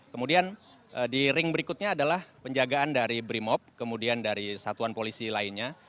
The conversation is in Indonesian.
kemudian di ring berikutnya adalah penjagaan dari brimob kemudian dari satuan polisi lainnya